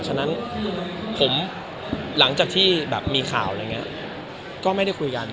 ฉะนั้นผมหลังจากที่แบบมีข่าวอะไรอย่างนี้ก็ไม่ได้คุยกัน